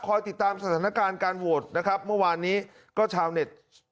ติดตามสถานการณ์การโหวตนะครับเมื่อวานนี้ก็ชาวเน็ต